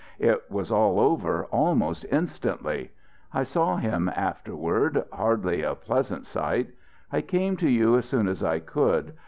It was all over almost instantly. I saw him afterward, hardly a pleasant sight. I came to you as soon as I could.